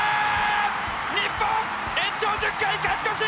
日本延長１０回勝ち越し！